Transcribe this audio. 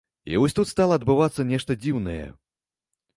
І вось тут стала адбывацца нешта дзіўнае.